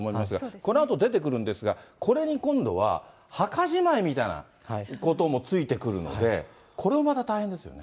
このあと、出てくるんですが、これに今度は、墓じまいみたいなこともついてくるので、これもまた大変ですよね。